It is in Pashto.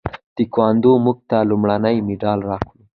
تکواندو موږ ته لومړنی مډال راوړ.